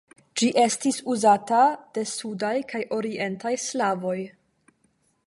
Ĝi estis uzata de sudaj kaj orientaj slavoj.